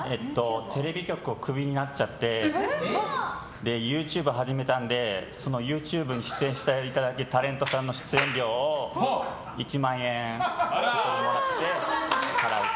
テレビ局をクビになっちゃってＹｏｕＴｕｂｅ始めたのでそのＹｏｕＴｕｂｅに出演していただくタレントさんの出演料を１万円もらって払う。